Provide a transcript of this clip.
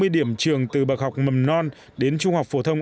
bốn trăm sáu mươi điểm trường từ bậc học mầm non đến trung học phổ thông